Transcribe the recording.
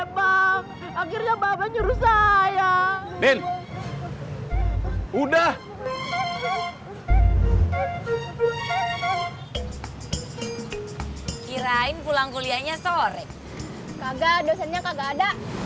apa akhirnya bapak nyuruh sayang udah kirain pulang kuliahnya sore kagak dosennya kagak ada